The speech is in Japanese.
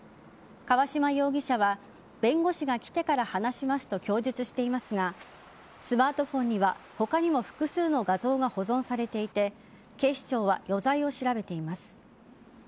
河嶌容疑者は弁護士が来てから話しますと供述していますがスマートフォンには他にも複数の画像が保存されていて警視庁は余罪を調べています。